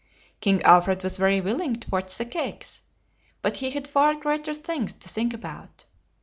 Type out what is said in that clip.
King Alfred was very willing to watch the cakes, but he had far greater things to think about.